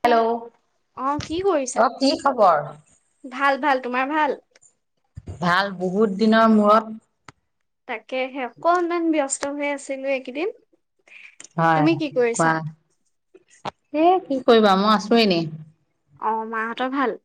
Hello, অ, কি অ কৰিছা? কি খবৰ ভাল, ভাল তোমাৰ ভাল? ভাল, বহুত দিনৰ মূৰত তাকে হে, অকনমান ব্যস্ত হৈ আছিলো, এইকেইদিন। হয়, তুমি কি কৰিছা কোৱা এই, কি কৰিবা মই আছো এনে। অ, মাহঁতৰ ভাল?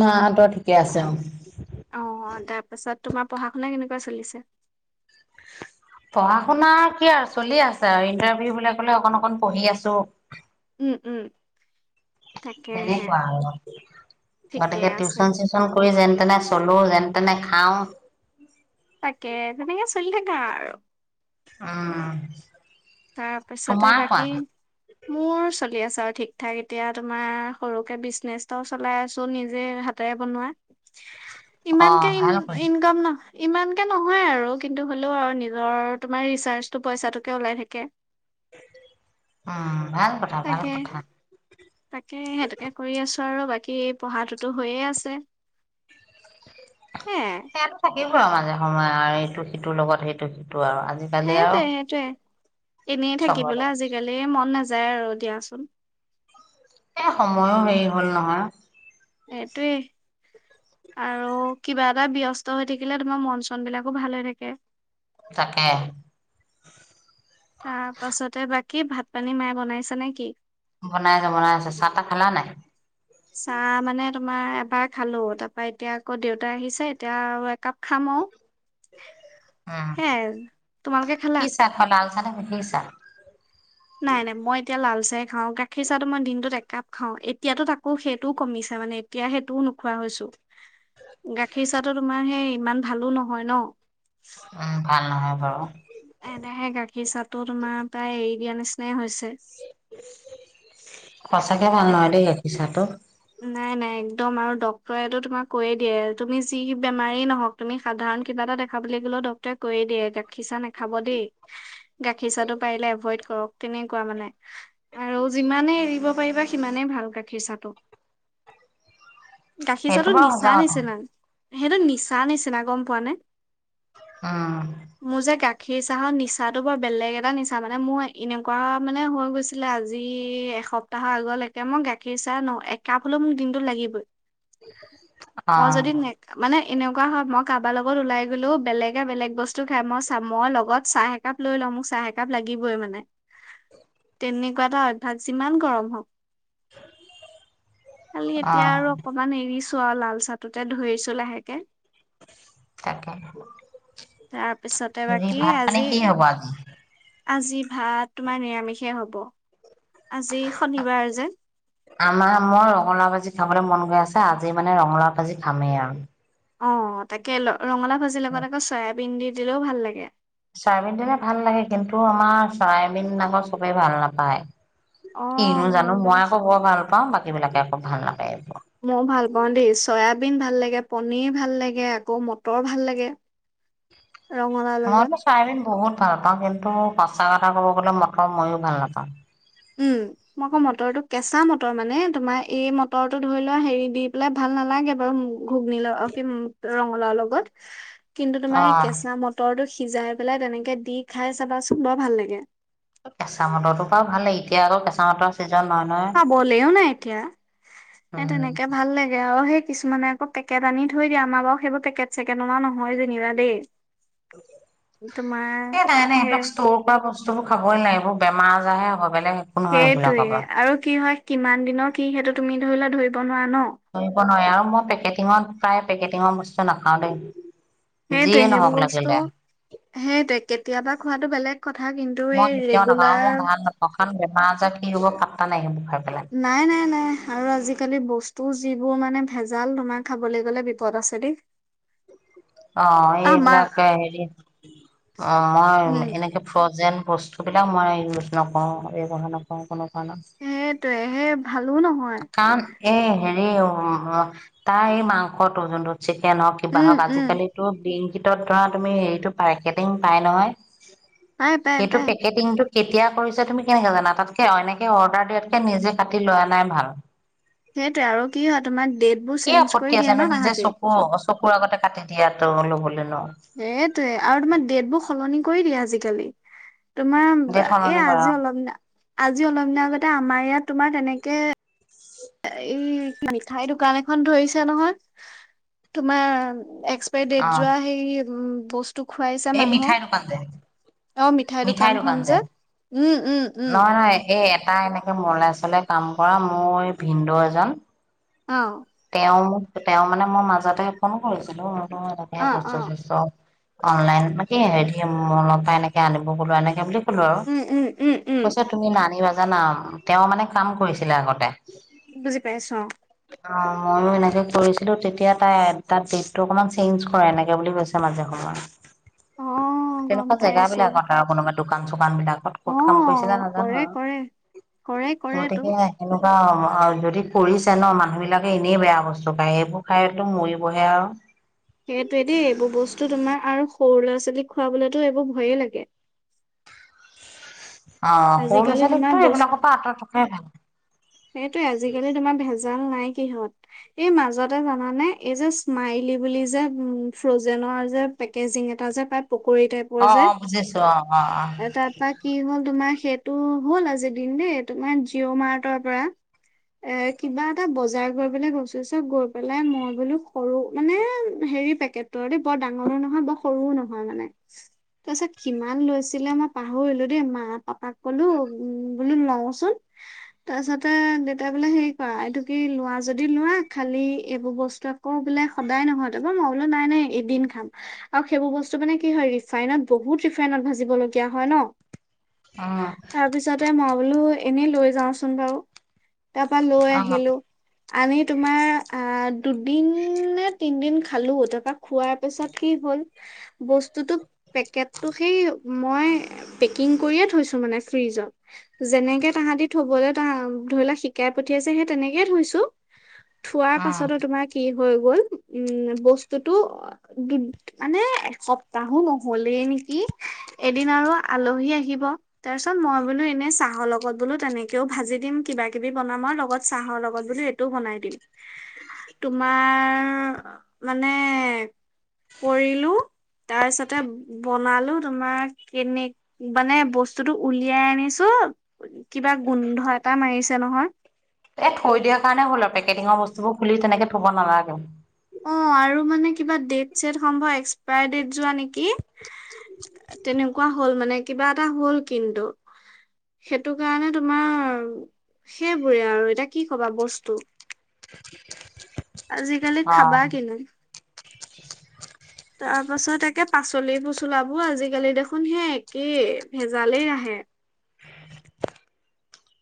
মাহতৰ, ঠিকে আছে অ, অ, তাৰপাছত তোমাৰ পঢ়া-শুনা কেনেকুৱা চলিছে? পঢ়া-শুনা কি আৰু, চলি আছে আৰু, ইন্টাৰভিউ বিলাকলে অকন-অকন পঢ়ি আছো। উম, উম, তাকেহে তেনেকুৱা আৰু, ঠিকে গতিকে আছে টিউচন-চিউচন কৰি যেন তেনে-চলো, যেন তেনে খাওঁ। তাকেই, তেনেকেই চলি থাকা আৰু, উম, তাৰপিছতে তোমাৰ কোৱা বাকী মোৰ চলি আছো আৰু ঠিক-থাক, এতিয়া তোমাৰ সৰুকে বিজনেছ এটাও চলাই আছোঁ, নিজে বনোৱা, অ ইমানকে ভাল কৰিছা ইন-ইনকম ন ইমানকে নহয় আৰু, কিন্তু হ'লেও আৰু নিজৰ তোমাৰ ৰিচাৰ্জটো পইচটোকে ওলাই থাকে। উম, ভাল কথা। ভাল তাকেহে, কথা তাকেই সেইটোকে কৰি আছো আৰু, বাকী পঢ়াতোটো হৈয়েই আছে। সেয়াই সেইয়াটো থাকিবই আৰু মাজে সময়ে আৰু এইটো সিটোৰ লগত, সেইটো সিটো আৰু আজি কালি সেইটোৱে আৰু সেইটোৱে এনেই চবৰে লগত থাকিবলৈ, আজিকালি মন নাযায় আৰু দিয়াচোন। এই সময়ো মেইন হ'ল নহয়। এইটোৱেই। আৰু কিবা এটাত ব্যস্ত হৈ থাকিলে, তোমাৰ মন, চন বিলাকো ভাল হৈ থাকে। তাকেই। তাৰপাছতে বাকী ভাত-পানী মায়ে, বনাইছে নেকি? বনাই আছে, বনাই আছে, চাহ-তাহ খালা নে, নাই? চাহ মানে তোমাৰ এবাৰ খালোঁ, তাৰপৰা এতিয়া আকৌ দেউতা আহিছে, এতিয়া আৰু একাপ খাম আৰু। সেইয়াই, তোমালোকে খালা? অ', লাল চাহ নে গাখীৰ চাহ? নাই নাই মই এতিয়া লাল চাহেই খাওঁ, গাখীৰ চাহটো মই দিনটোত একাপ খাওঁ, এতিয়াতো তাকো সেইটোও কমিছে মানে। এতিয়া সেইটোও নোখোৱা হৈছোঁ, গাখীৰ চাহটো তোমাৰ সেই ইমান ভালো নহয় ন'। উম, ভাল নহয় বাৰু। এনেহে গাখীৰ চাহটো তোমাৰ প্ৰায় এৰি দিয়া নিচিনাই হৈছে। সঁচাকে ভাল এ নহয় দেই, গাখীৰ চাহটো। নাই নাই, একদম আৰু ডক্তৰেটো তোমাক কৈয়েই দিয়ে, তুমি যি বেমাৰেই নহওক তুমি সাধাৰণ কিবা এটা দেখা গ'লেও, ডক্তৰে কৈয়েই দিয়ে, গাখীৰ চাহ নাখাব দেই। গাখীৰ চাহটো পাৰিলে এভইড কৰক। তেনেকুৱা মানে, আৰু যিমানেই এৰিব পাৰিবা সিমানেই ভাল গাখীৰ চাহটো। গাখীৰ এইটো চাহটো বাৰু সঁচা নিচা কথা নিচিনা, সেইটো নিচা নিচিনা গম পোৱানে? অহ। মোৰযে গাখীৰ চাহৰ নিচাটো বৰ বেলেগ এটা নিচা মানে, মোৰ এনেকুৱা মানে হৈ গৈছে আজি এসপ্তাহৰ আগলৈকে, মই গাখীৰ চাহ ন একাপ হ'লেও মোক দিনটোত লাগিবই, অ মই যদি নে মানে এনেকুৱা হয়, মই কাৰোবাৰ লগত ওলাই গ'লেও, বেলেগে বেলেগ বস্তু খাই, মই চ মই লগত চাহ একাপ লৈ লওঁ, মোক চাহ একাপ লাগিবই মানে, তেনেকুৱা এটা অভ্যাস, যিমান গৰম হওক। [inaudible] খালি অ এতিয়া আৰু অকমান এৰিছো আৰু, লাল চাহটোতে ধৰিছো লাহেকে। তাকে তাৰপিছতে হেৰি বাকী ভাত পানী আজি কি হ'ব আজি আজি ভাত তোমাৰ নিৰামিষেই হ'ব, আজি শনিবাৰ যে। আমাৰ মই ৰঙালাওঁ ভাজি খাবলৈ মন গৈ আছে, আজি মানে ৰঙালাওঁ ভাজি খামেই আৰু। অ', তাকেই ৰঙালাওঁ ভাজিৰ লগত আকৌ চয়াবিন দি দিলেও ভাল লাগে। চয়াবিন দিলে ভাল লাগে কিন্তু আমাৰ চয়াবিন আকৌ চবেই ভাল নাপায়। অ', কিনো গম জানো মই পাইছোঁ। আকৌ বৰ ভাল পাওঁ বাকী বিলাকে আকৌ ভাল নাপায় এইবোৰ। মই ভাল পাওঁ দেই চয়াবিন ভাল লাগে পনিৰ ভাল লাগে আকৌ মটৰ ভাল লাগে। ৰঙলাউ লগত। চায়াবিন বহুত ভাল পাওঁ কিন্তু সঁচা কথা ক'ব গ'লে মটৰ মইয়ো ভাল নাপাওঁ। উম মই আকৌ মটৰটো কেঁচা মটৰ মানে তোমাৰ এই মটৰটো ধৰি লোৱা হেৰি দি পেলাই ভাল নালাগে বাৰু ঘুগনী কি ৰঙালাউৰ লগত কিন্তু তোমাৰ এই অ', কেঁচা মটৰ মটৰটো সিজাই পেলাই তেনেকে দি খাই চাবাচোন বৰ ভাল লাগে। কেঁচা মটৰ তটো বাৰু ভাল লাগে এতিয়া আকৌ কেঁচা মটৰ জ ন ন [unintelligible] পাবলেও নাই এতিয়া এ উম, তেনেকে ভাল লাগে। তেতিয়া আকৌ সেই কিছুমানে আকৌ পেকেট আনি থৈ দিয়ে আমাৰ বাৰু সেইবোৰ পেকেট চেকেট অনা নহয় যেনিবা দেই। তোমাৰ হে তেনেকুৱা বস্তুবোৰ খাবই নালাগে এইবোৰ বেমাৰ আজাৰে হে হ'ব। নহয় সেইটোৱে এইবিলাকৰ পৰা। আৰু কি হয় কিমান দিনৰ কি সেইটো তুমি ধৰি লোৱা ধৰিব নোৱাৰা ন। ধৰিব নোৱাৰে আৰু মই পেকেটিঙত প্ৰায় পেকেটিঙৰ বস্তু নাখাওঁ দেই। সেইটোৱে যিয়ে সেইবোৰ নহওঁক বস্তু লাগিলে। সেইটোৱে কেতিয়াবা খোৱাটো বেলেগ কথা কিন্তু এই মই কেতিয়াও নাখাওঁ, আৰু ৰেগুলাৰ মই ভাল নাপাওঁ কাৰণ বেমাৰ আজাৰ কি হ'ব পাত্তা নাই সেইবোৰ খাই পেলাই। নাই নাই নাই, আৰু আজিকালি বস্তু যিবোৰ মানে ভেজাল তোমাৰ খাবলৈ গ'লে বিপদ আছে দেই। অ আমাৰ এইবিলাক হেৰি অ' মই উম এনেকে ফ্ৰজেন বস্তু। সেইবিলাক মই ইউজ নকৰোঁ, ব্যৱহাৰ নকৰোঁ কোনো কাৰণত। সেইটোৱে, সেই ভালো নহয়। কাৰণ এই হেৰি তাৰ এই মাংসটো যোনটো চিকেন হওঁক। কিবা উম হওক উম আজিকালি বিলিংকিটত ধৰা তুমি হেৰিটো পেকেটিং পাই নহয়। পাই পাই সেইটো পাই পেকেট পেকিংটো কেতিয়া কৰিছে তুমি কেনেকে জানা তাতকে এনেকে অৰ্ডাৰ দিয়াতকে নিজে কাটি লৈ অনাই ভাল। সেইটোৱে আৰু কি হয় তোমাৰ ডেট বোৰ কি চেঞ্জ আপত্তি কৰি দিয়ে আছে নো ন নিজে তাহাতি। চকু চকুৰ আগতে কাটি দিয়াটো ল'বলে ন। সেইটোয়ে আৰু তোমাৰ ডেট বোৰ সলনি কৰি দিয়ে আজিকালি। তোমাৰ ডেট এ সলনি কৰা আজি অলপ দিনৰ আজি অলপ দিনৰ আগতে আমাৰ ইয়াত তোমাৰ তেনেকে এই মিঠাই দোকান এখন ধৰিছে নহয়। তোমাৰ এক্স অ এক্সপাইডেট যোৱা সেই উ বস্তু খুৱাইছে এই মানুহক। মিঠাই দোকান যে অ' মিঠাই দোকানখন যে উম উম উম। মলাই চলাই কাম কৰা মোৰ ভিনদেউ এজন। অ'। তেওঁ মোক তেওঁ মানে মই মাজতে ফোন কৰিছিলোঁ মই বোলো এনেকে অ বস্তু অ চস্তু অনলাইন মানে কি হেৰি [unintelligible] এনেকে আনিব গ'লো এনেকে বুলি। উম উম উম উম কৈছে তুমি নানিবা জানা, তেওঁ মানে কাম কৰিছিলে আগতে। বুজি পাইছোঁ। অ' ময়ো এনেকে কৰিছিলো তেতিয়া তাই তাত ডেটটো অকণমান চেঞ্জ কৰে এনেকে বুলি কৈছে মাজে সময়ে। [inaudible] অ গম তেনেকুৱা জেগা পাইছো বিলাকত, আৰু কোনোবা দোকান চোকান বিলাক। ক'ত অ ক'ত কাম কৰিছিলে নাজানো কৰে কৰে কৰে আৰু কৰে তো গতিকে এনেকুৱা যদি কৰিছে ন মানুহ বিলাকক। এনেই বেয়া বস্তু খাই সেইবোৰ খাইতো মৰিবহে আও। সেইটোৱে দেই এইবোৰ বস্তু তোমাৰ আৰু সৰু ল'ৰা-ছোৱালীক খুৱাবলৈতো এইবোৰ ভয়ে লাগে। অ' সৰু আজিকালি তোমাৰ ল'ৰা-ছোৱালীকতো এইবিলাকৰ বস্তু পৰা আঁতৰত থকাই ভাল। সেইটোৱে, আজিকালি তোমাৰ ভেজাল নাই কি'হত? এই মাজতে জানানে? এই যে স্মাইলী বুলি যে উম ফ্ৰজেনৰ যে। পেকেজিং এটা যে পায় পকৰী টাইপ। অ' অ', বুজিছো অ অ অ। [unintelligible] কি হ'ল তোমাৰ সেইটো হ'ল আজি দিম দেই, তোমাৰ জিঅ' মাৰ্টৰ পৰা। এ কিবা এটা বজাৰ কৰিবলৈ গৈছোঁ, চব গৈ পেলাই। মই বোলো কৰো মানে হেৰি পে [unintelligible] বৰ ডাঙৰো নহয়, বৰ সৰুও নহয় মানে। তাৰ পিছত কিমান লৈছিলে, মই পাহৰিলোঁ দেই। মা-পাপাক কলো, উ বোলো লওঁচোন। তাৰপিছতে দেউতাই বোলে হেৰি কৰা এইটো কি লোৱা যদি লোৱা, খালি এইবোৰ বস্তু আকৌ বোলে, সদায় [unintelligible] মই বোলো, নাই নাই, এদিন খাম। আৰু সেইবোৰ বস্তু মানে কি হয় ৰিফাইনত বহুত ৰিফাইনত ভাজিবলগীয়া হয় ন? অ তাৰপিছতে মই বোলো এনেই লৈ যাওঁচোন বাও। তাপা লৈ উম আহিলো। আমি তোমাৰ আহ, দুদিন নে তিনিদিন খালোঁ। তাৰপৰা খোৱাৰ পিছত কি হ'ল বস্তুটো পেকেটো সেই মই পেকিং কৰি থৈছোঁ মানে ফ্ৰিজত। যেনেকে তাহাঁতি থ'বলৈ [unintelligible] ধৰি লোৱা শিকাই পঠিয়াইছে, সেই তেনেকেই থৈছোঁ। থোৱাৰ অ উম পাছতো তোমাৰ কি হৈ গ'ল উম! বস্তুটো মানে এসপ্তাহো নহ'লেই নেকি এদিন আৰু আলহী আহিব। তাৰ পিছত মই বোলো, এনে চাহৰ লগত বোলো তেনেকে [unintelligible] ভাজি দিম, কিবাকিবি বনাম, আৰু লগত চাহৰ লগত বোলো এইটোও বনাই দিম। তোমাৰ মানে পৰিলোঁ। তাৰ পিছতে বনালো তোমাৰ এনেই। মানে বস্তুটো উলিয়াই আনিছোঁ। কিবা গোন্ধ এটা মাৰিছে নহয়। এ থৈ দিয়াৰ কাৰণে হ'ল আৰু। পেকেটিংৰ বস্তুবোৰ খুলি তেনেকে থ'ব নালাগে। অঁ! আৰু মানে কিবা ডেট-ছেট, সম্ভৱ এক্সপায়াৰ ডেট যোৱা নেকি। তেনেকুৱা হ'ল মানে কিবা এটা হ'ল, কিন্তু। সেইটো কাৰণে তোমাৰ সেইবোৰে আৰু এতিয়া কি ক'বা বস্তু আজিকালি অ খাবা কিনি। তাৰ পাছত একে পাচলি-পচলাবোৰ আজিকালি দেখোন সেই একেই ভেজালেই আহে।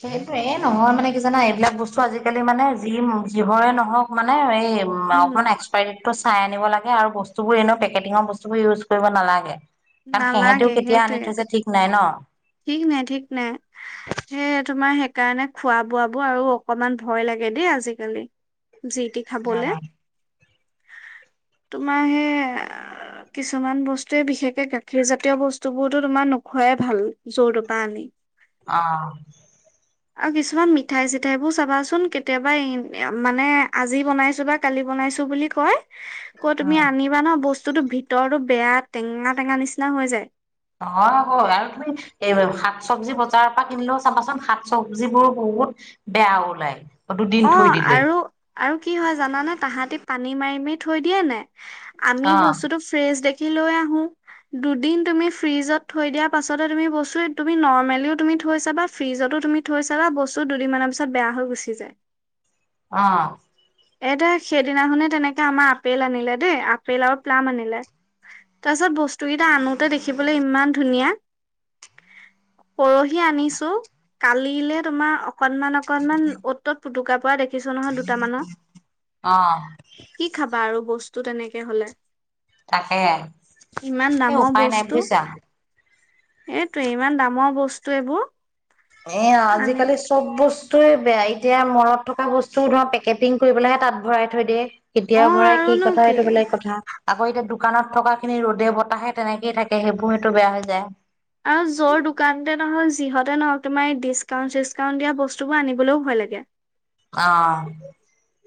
সেইটোৱেই। এ নহয় মানে কি জানা, এইবিলাক বস্তু আজিকালি মানে যি যিহৰে নহওক মানে এই উম অকণমান এক্সপায়াৰী ডেটটো চাই আন লাগে আৰু বস্তুবোৰ এনেও পেকেটিংৰ বস্তুবোৰ ইউজ কৰিব নালাগে। কাৰণ নালাগে সিহঁতেও কেতিয়া আনি সেইটোৱে থৈছে ঠিক নাই ন। ঠিক নাই, ঠিক নাই। সেই তোমাৰ সেইকাৰণে খোৱা-বোৱাবোৰ আৰু অকণমান ভয় লাগে দেই আজিকালি। যিটি খাবলে। উম, তোমাৰ সেই কিছুমান বস্তুৱেই বিশেষকে গাখীৰ জাতীয় বস্তুবোৰতো তোমাৰ নোখোৱাই ভাল। যৰ তৰ পৰা আনি। অঁ! [unintelligible] আৰু কিছুমান মিঠাই-চিঠাইবোৰ চাবা চোন, কেতিয়াবা এই মানে আজি বনাইছোঁ বা কালি বনাইছোঁ বুলি কয়। কেতিয়াবা উ তুমি আনিবা ন বস্তুটো ভিতৰতো বেয়া টেঙা-টেঙা নিচিনা হৈ যায়। অঁ! হয়। আৰু তুমি এই শাক-চবজি বজাৰৰ পৰা কিনিলেও চাবা চোন শাক-চবজিবোৰ বহুত বেয়া ওলাই। দুদিন থৈ অঁ! দিলে আৰু-আৰু কি হয় জানানে? তাহাঁতি পানী মাৰি-মাৰি থৈ দিয়ে নে নাই আমি অ বস্তুটো ফ্ৰেছ দেখি লৈ আহোঁ। দুদিন তুমি ফ্ৰিজত থৈ দিয়াৰ পাছতে তুমি বস্তুটো তুমি নৰ্মেলিও তুমি থৈছা বা ফ্ৰিজতো তুমি থৈ চাবা বস্তু দুদিনমানৰ পিছত বেয়া হৈ গুচি যায়। অঁ! এ দে সেইদিনাখনে তেনেকে আমাৰ আপেল আনিলে দেই আপেল আৰু প্লাম আনিলে। তাৰ পিছত বস্তুকেইটা আনোতে দেখিবলৈ ইমান ধুনীয়া। পৰহি আনিছোঁ। কালিলে তোমাৰ অকনমান-অকনমান অ'ত ত'ত পুতুকা পৰা দে [unintelligible] অঁ! কি খাবা আৰু বস্তু তেনেকে হ'লে। তাকে ইমান এই দামৰ উপায় নাই বস্তু। বুজিছা এইটোৱেই ইমান দামৰ বস্তু এইবোৰ। এয়া আনি আজিকালি চো চব বস্তুৱয়ে বেয়া। এতিয়া মলত থকা বস্তু ধৰা পেকেটিং কৰি পেলাই হে তাত ভৰাই থৈ দিয়ে। কেতিয়া অ ভৰাই কি আৰুনো কথা এইটো বেলেগ কথা। আকৌ এতিয়া দোকানত থকা খিনি ৰ'দে বতাহে তেনেকেই থাকে সেইবোৰটো বেয়া হৈ যায়। আৰু যৰ দোকানতে নহয় যিহতে নহক তোমাৰ ডিচকাউণ্ট চিচকাউণ্ট দিয়া বস্তুবোৰ আনিবলৈও ভয় লাগে। আ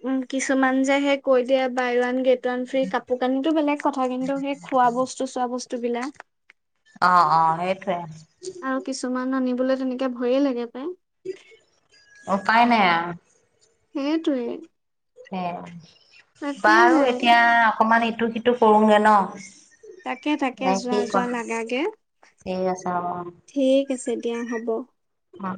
উম কিছুমান যে কৈ দিয়ে buy one get one free কাপোৰ কানিটো বেলেগ কথা। কিন্তু সেই খোৱা বস্তু চোৱা বস্তুবিলাক। অ অ সেইটোৱে। আৰু কিছুমান আনিবলৈ তেনেকে ভয়ে লাগে পায়। উপাই নাই আওঁ। সেইটোৱে। সে বাৰু তাকেহে এতিয়া অকমান ইটো সিটো কৰোগে ন। তাকে তাকে নে যোৱা কি যোৱা কোৱা? লাগাগে ঠিক আছে হ'ব। ঠিক আছে দিয়া হ'ব। অ।